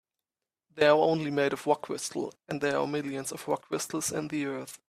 They're only made of rock crystal, and there are millions of rock crystals in the earth.